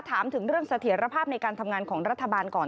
ถามถึงเรื่องเสถียรภาพในการทำงานของรัฐบาลก่อน